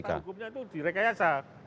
fakta hukumnya itu direkayasa